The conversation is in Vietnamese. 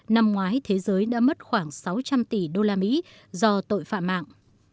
năm ngoái thế giới đã mất khoảng sáu trăm linh tỷ đô la mỹ do tội phạm mạng